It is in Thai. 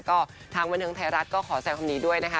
ก็ทางบันเทิงไทยรัฐก็ขอแสงความดีด้วยนะคะ